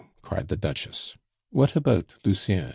cried the Duchess. "What about Lucien?"